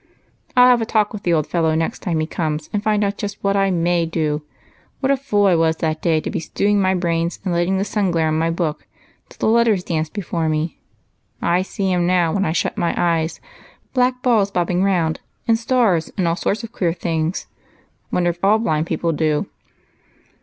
" I '11 have a talk with the old fellow next time he comes, and find out just what I Tnay do ; then I shall know where I am. What a fool I was that day to be stewing my brains and letting the sun glare on my book till the letters danced before me ! I see 'em now when I shut my eyes ; black balls bobbing round, and stars and all sorts of queer things. Wonder if all blind people do?"